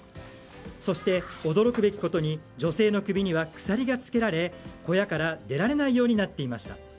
そして、驚くべきことに女性の首には鎖がつけられ小屋から出られないようになっていました。